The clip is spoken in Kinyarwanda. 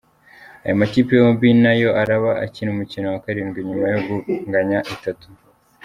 Aya makipe yombi nayo araba akina umukino wa karindwi nyuma yo kunganya itatu.